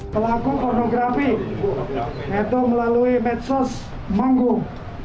pelaku pornografi itu melalui medsos menggum